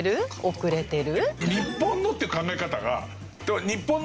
遅れてる？